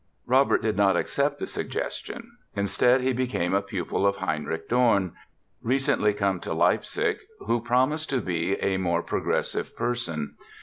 Robert did not accept the suggestion. Instead he became a pupil of Heinrich Dorn, recently come to Leipzig, who promised to be a more progressive person.